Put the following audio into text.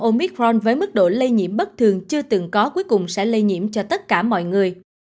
omit fron với mức độ lây nhiễm bất thường chưa từng có cuối cùng sẽ lây nhiễm cho tất cả mọi người